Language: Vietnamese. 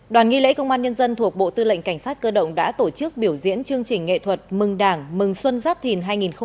tổng thống nhân dân thuộc bộ tư lệnh cảnh sát cơ động đã tổ chức biểu diễn chương trình nghệ thuật mừng đảng mừng xuân giáp thìn hai nghìn hai mươi bốn